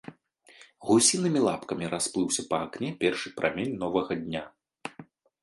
Гусінымі лапкамі расплыўся па акне першы прамень новага дня.